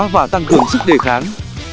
và tăng cường sức đề kháng